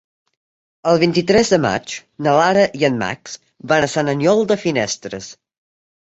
El vint-i-tres de maig na Lara i en Max van a Sant Aniol de Finestres.